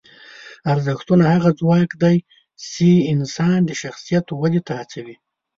ارزښتونه هغه ځواک دی چې انسان د شخصیت ودې ته هڅوي.